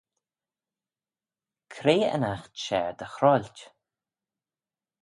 Cre yn aght share dy hroailt?